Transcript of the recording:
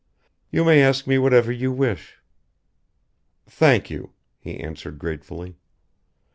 You may ask me whatever you wish." "Thank you," he answered gratefully.